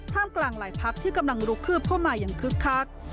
ท่ามกลางหลายพักที่กำลังลุกขึ้นพ่อมาอย่างคึกคัก